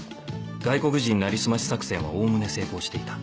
外国人なりすまし作戦はおおむね成功していた